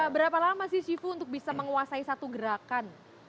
berapa lama sih syifu untuk bisa menguasai satu gerakan